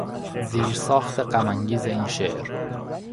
زیرساخت غمانگیز این شعر